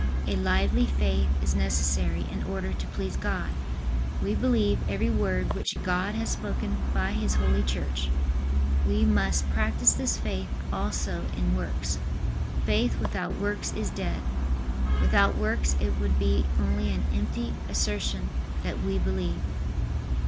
A lively faith is necessary in order to please God. We believe every word which God has spoken by His Holy Church. We must practise this faith also in works. Faith without works is dead. Without works it would be only an empty assertion that we believe.